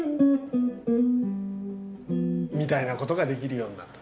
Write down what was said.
みたいなことができるようになったと。